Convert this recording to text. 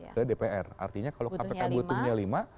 ke dpr artinya kalau kpk butuhnya lima